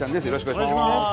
よろしくお願いします。